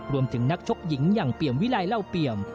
นักชกหญิงอย่างเปี่ยมวิลัยเล่าเปี่ยม